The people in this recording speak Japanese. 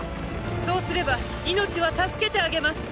そうすれば命は助けてあげます。